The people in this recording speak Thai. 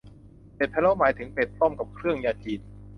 เป็ดพะโล้หมายถึงเป็ดต้มกับเครื่องยาจีน